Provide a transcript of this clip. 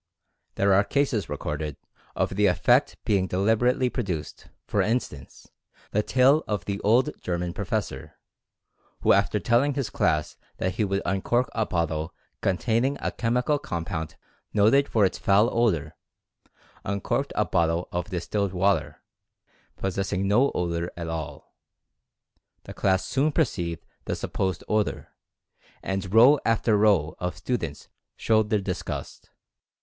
There are cases recorded of the effect being delib erately produced, for instance, the tale of the old Ger man professor, who after telling his class that he would uncork a bottle containing a chemical compound noted for its foul odor, uncorked a bottle of distilled water, possessing no odor at all. The class soon per ceived the supposed odor, and row after row of stu dents showed their disgust.